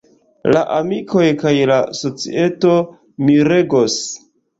La amikoj kaj la societo miregos.